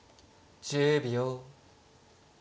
１０秒。